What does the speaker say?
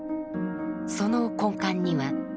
その根幹には「道」。